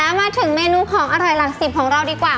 มาถึงเมนูของอร่อยหลักสิบของเราดีกว่า